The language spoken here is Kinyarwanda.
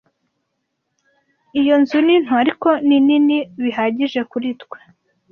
Iyo nzu ni nto, ariko ni nini bihagije kuri twe.